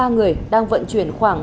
bốn người đang vận chuyển khoảng